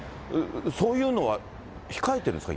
そういうのは控えてるんですか？